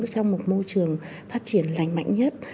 để các cháu được sống trong một môi trường phát triển lành mạnh nhất